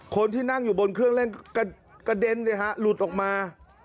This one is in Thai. คนที่นั่งอยู่บนเครื่องเล่นกระเด็นหลุดออกมา